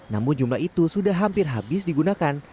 namun jumlah itu sudah hampir habis digunakan